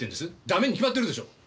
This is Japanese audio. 駄目に決まってるでしょう。